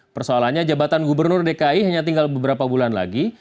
persoalannya jabatan gubernur dki hanya tinggal beberapa bulan lagi